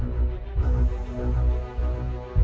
để bán xâ vấn